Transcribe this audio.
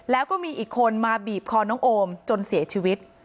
แล้วก็มีอีกคนมาบีบคอน้องโอมจนเสียชีวิต